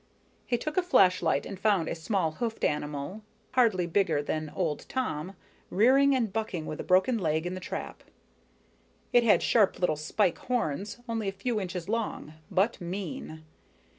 He took a flashlight and found a small hoofed animal, hardly bigger than old Tom, rearing and bucking with a broken leg in the trap. It had sharp little spike horns, only a few inches long, but mean.